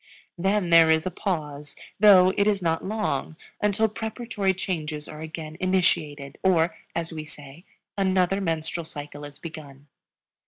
Then there is a pause, though it is not long, until preparatory changes are again initiated, or, as we say, another Menstrual Cycle is begun.